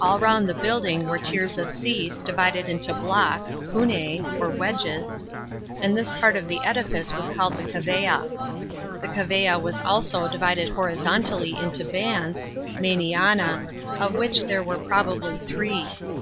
All round the buildii g were tiers of seats,* divided into blocks (cunei, "wecLes"), and this part of the edifice was called the cavea. The cavea was al>o divided horizontally into bands (mseniana), of which there were probably three.